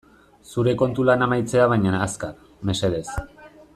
Zure kontu lana amaitzea baina azkar, mesedez.